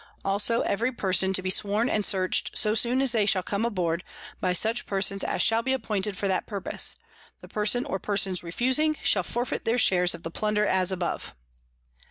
Also every Person to be sworn and search'd so soon as they shall come aboard, by such Persons as shall be appointed for that purpose: The Person or Persons refusing, shall forfeit their shares of the Plunder as above.